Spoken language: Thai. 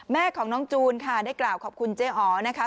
แม่ของน้องจูนค่ะได้กล่าวขอบคุณเจ๊อ๋อนะคะ